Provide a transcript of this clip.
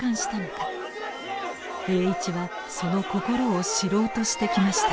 栄一はその心を知ろうとしてきました。